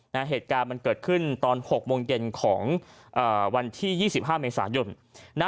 นะฮะเหตุการณ์มันเกิดขึ้นตอนหกโมงเย็นของอ่าวันที่ยี่สิบห้าเมษายุ่น